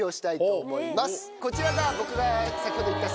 こちらが僕が先ほど行った。